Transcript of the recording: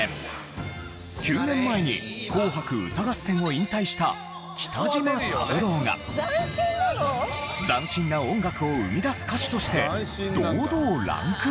９年前に『紅白歌合戦』を引退した北島三郎が斬新な音楽を生み出す歌手として堂々ランクイン！